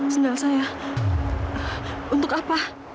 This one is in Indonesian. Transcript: sendal saya untuk apa